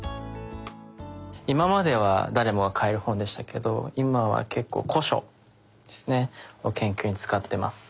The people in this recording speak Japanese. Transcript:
今までは誰もが買える本でしたけど今は結構古書ですねを研究に使ってます。